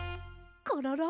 コロロ！